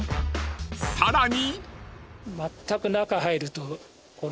［さらに］